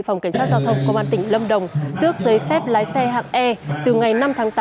phòng cảnh sát giao thông công an tỉnh lâm đồng tước giấy phép lái xe hạng e từ ngày năm tháng tám